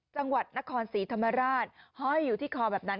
จังหวัดนครศรีธรรมราชห้อยอยู่ที่คอแบบนั้น